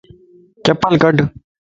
چپل ڪڊ